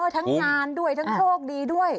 ทั้งงานด้วยทั้งโชคดีด้วย